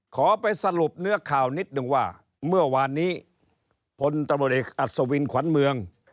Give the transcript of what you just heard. ขอไปสรุปเนื้อข่าวนิดนึงว่าเมื่อวานนี้พลตำรวจเอกอัศวินขวัญเมือง